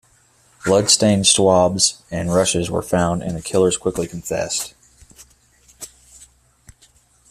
Bloodstained swabs and rushes were found, and the killers quickly confessed.